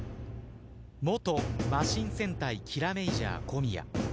元魔進戦隊キラメイジャー小宮。